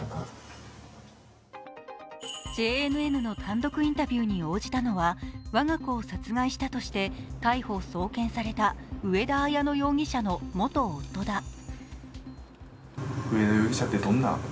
ＪＮＮの単独インタビューに応じたのは我が子を殺害したとして逮捕・送検された上田綾乃容疑者の元夫だ。